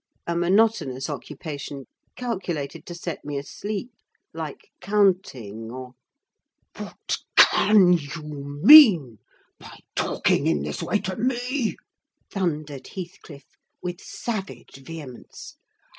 A monotonous occupation, calculated to set me asleep, like counting, or—" "What can you mean by talking in this way to me!" thundered Heathcliff with savage vehemence.